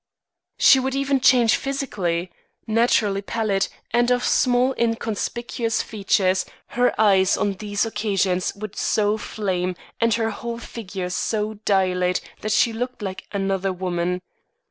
She would even change physically. Naturally pallid and of small inconspicuous features, her eyes on these occasions would so flame and her whole figure so dilate that she looked like another woman.